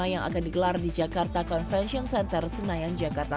yang akan digelar di jakarta convention center raya